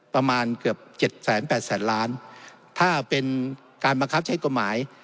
ประมาณเกือบเจ็ดแสนแปดแสนล้านถ้าเป็นการบังคับใช้กฎหมาย